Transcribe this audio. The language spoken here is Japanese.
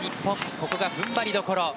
ここが踏ん張りどころ。